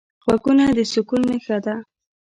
غوږونه د سکون نښه ده